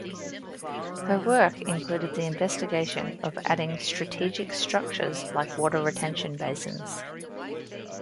Her work included the investigation of adding strategic structures like water retention basins.